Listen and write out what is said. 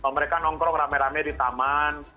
mereka nongkrong rame rame di taman